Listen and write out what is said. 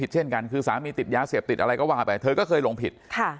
เช่นกันคือสามีติดยาเสพติดอะไรก็ว่าไปเธอก็เคยลงผิด